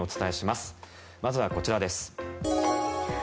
まずはこちらです。